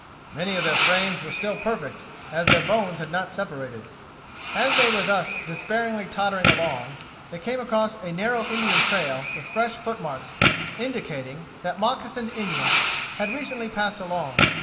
Many of their frames were still perfect, as their bones had not separated." As they were thus despairingly tottering along, they came across a narrow Indian trail, with fresh footmarks, indicating that moccasined Indians had recently passed along.